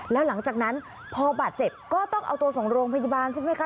แล้วหลังจากนั้นพอบาดเจ็บก็ต้องเอาตัวส่งโรงพยาบาลใช่ไหมคะ